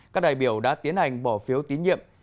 các đại biểu đã tiến hành bỏ phiếu tín nhiệm